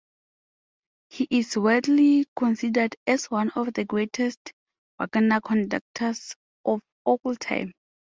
He is widely considered as one of the greatest Wagner-conductors of all time.